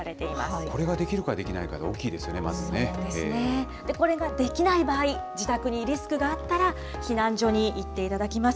これができるかできないかでこれができない場合、自宅にリスクがあったら、避難所に行っていただきます。